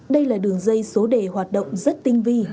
đây là đường dây số đề hoạt động rất tinh vi